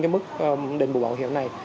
cái mức đền bù bảo hiểm này